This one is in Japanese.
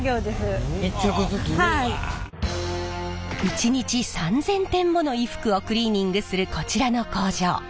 一日３，０００点もの衣服をクリーニングするこちらの工場。